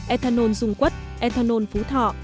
ethanol dung quất ethanol phú thọ